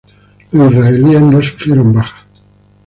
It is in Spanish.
Los israelíes no sufrieron bajas.